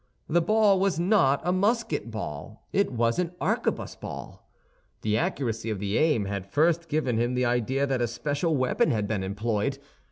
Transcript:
The ball was not a musket ball—it was an arquebus ball. The accuracy of the aim had first given him the idea that a special weapon had been employed.